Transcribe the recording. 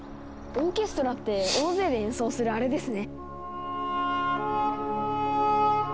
オーケストラって大勢で演奏するあれですね！